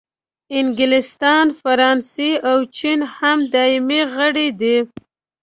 انګلستان، فرانسې او چین هم دایمي غړي دي.